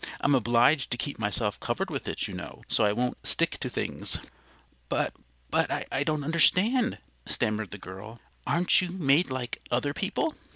I'm obliged to keep myself covered with it, you know, so I won't stick to things." "But but I don't understand," stammered the girl. "Aren't you made like other people?"